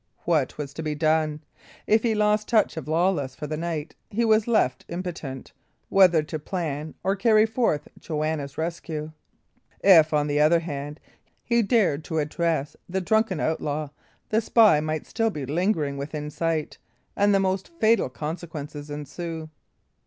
What was to be done? If he lost touch of Lawless for the night, he was left impotent, whether to plan or carry forth Joanna's rescue. If, on the other hand, he dared to address the drunken outlaw, the spy might still be lingering within sight, and the most fatal consequences ensue.